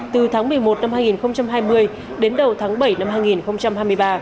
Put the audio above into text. từ tháng một mươi một năm hai nghìn hai mươi đến đầu tháng bảy năm hai nghìn hai mươi ba